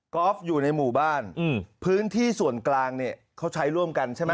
อล์ฟอยู่ในหมู่บ้านพื้นที่ส่วนกลางเนี่ยเขาใช้ร่วมกันใช่ไหม